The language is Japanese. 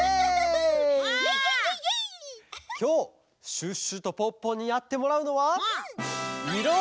きょうシュッシュとポッポにやってもらうのはＹｏ！